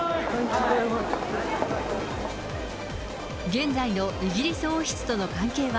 現在のイギリス王室との関係は？